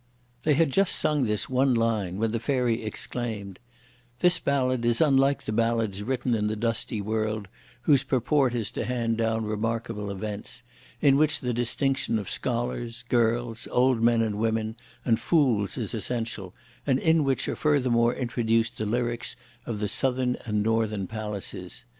They had just sung this one line when the Fairy exclaimed: "This ballad is unlike the ballads written in the dusty world whose purport is to hand down remarkable events, in which the distinction of scholars, girls, old men and women, and fools is essential, and in which are furthermore introduced the lyrics of the Southern and Northern Palaces.